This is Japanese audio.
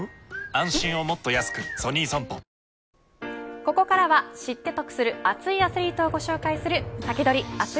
ここからは知って得する熱いアスリートをご紹介するサキドリ！